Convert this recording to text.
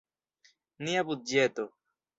Nia budĝeto.